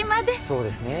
そうですね